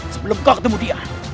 sebelum kau ketemu dia